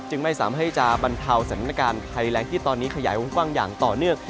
ไม่สามารถให้จะบรรเทาสถานการณ์ภัยแรงที่ตอนนี้ขยายวงกว้างอย่างต่อเนื่อง